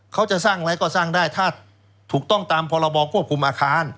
เขาจะสร้างอะไรก็สร้างได้ถ้าถูกต้องตามพรบควบคุมอาคาร